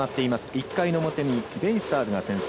１回の表にベイスターズが先制。